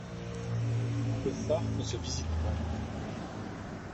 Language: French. Le phare ne se visite pas.